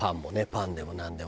パンでもなんでも。